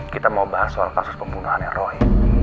kita mau bahas soal kasus pembunuhannya roy